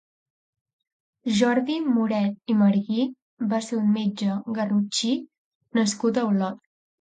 Jordi Moret i Marguí va ser un metge garrotxí nascut a Olot.